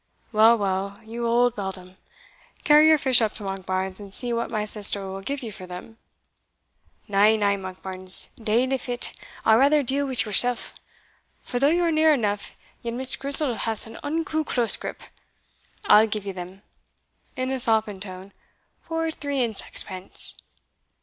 "Well, well, you old beldam, carry your fish up to Monkbarns, and see what my sister will give you for them." "Na, na, Monkbarns, deil a fit I'll rather deal wi' yoursell; for though you're near enough, yet Miss Grizel has an unco close grip I'll gie ye them" (in a softened tone) "for three and saxpence."